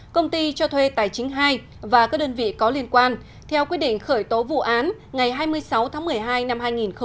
công ty cho thuê tài chính hai và các đơn vị có liên quan theo quyết định khởi tố vụ án ngày hai mươi sáu tháng một mươi hai năm hai nghìn một mươi bảy